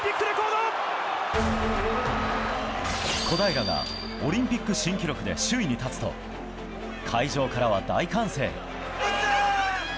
小平がオリンピック新記録で首位に立つと会場からは大歓声。